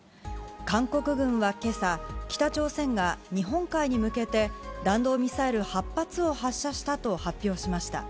韓国軍はけさ、北朝鮮が日本海に向けて、弾道ミサイル８発を発射したと発表しました。